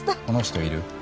この人いる？